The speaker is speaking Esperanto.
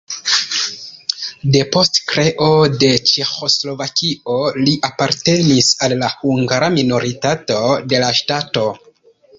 Depost kreo de Ĉeĥoslovakio li apartenis al la hungara minoritato de la ŝtato.